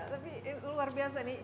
tapi luar biasa nih